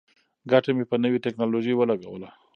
ګټه مې په نوې ټیکنالوژۍ ولګوله.